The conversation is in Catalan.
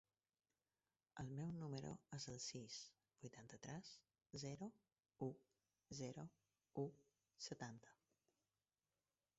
El meu número es el sis, vuitanta-tres, zero, u, zero, u, setanta.